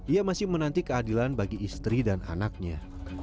ia masih menanti keadilan bagi istri dan anaknya